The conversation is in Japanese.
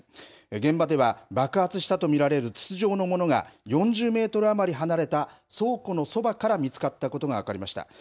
現場では、爆発したと見られる筒状のものが、４０メートル余り離れた倉庫のそばから見つかったことが分かりました。